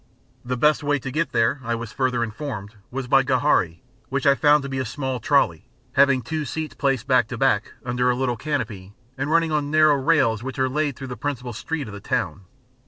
The best way to get there, I was further informed, was by gharri, which I found to be a small trolley, having two seats placed back to back under a little canopy and running on narrow rails which are laid through the principal street of the town.